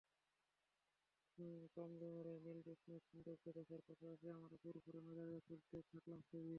পাম জুমেরায় নীল জোছনার সৌন্দর্য দেখার পাশাপাশি আমরা ফুরফুরে মেজাজে তুলতে থাকলাম ছবি।